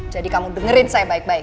jadi kamu dengerin saya baik baik